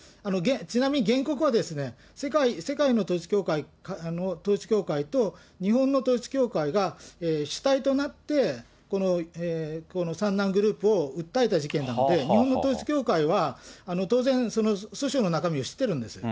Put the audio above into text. ちなみに原告は、世界の統一教会と日本の統一教会が主体となって、この三男グループを訴えた事件なんで、日本の統一教会は、当然、その訴訟の中身を知ってるんですよね。